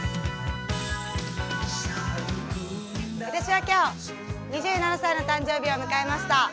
私は今日、２７歳の誕生日を迎えました。